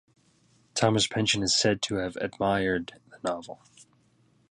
Thomas Pynchon is said to have admired the novel.